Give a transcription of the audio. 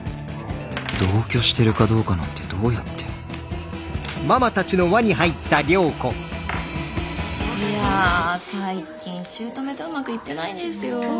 同居してるかどうかなんてどうやっていや最近姑とうまくいってないんですよ。